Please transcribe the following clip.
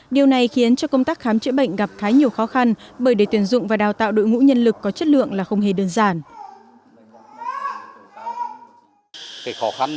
điều này khiến cho công tác khám chữa bệnh gặp khá nhiều khó khăn bởi để tuyển dụng và đào tạo đội ngũ nhân lực có chất lượng là không hề đơn giản